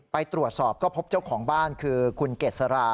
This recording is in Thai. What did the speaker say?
ไปตรวจสอบก็พบเจ้าของบ้านคือคุณเกษรา